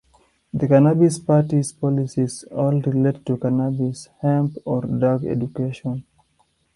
The Cannabis Party's policies all relate to cannabis, hemp, or drug education.